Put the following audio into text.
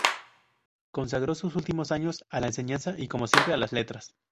Consagró sus últimos años a la enseñanza y como siempre a las letras.